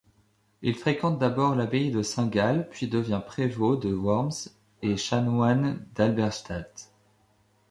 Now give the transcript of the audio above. Il fréquente d'abord l'abbaye de Saint-Gall puis devient prévôt de Worms et chanoine d’Halberstadt.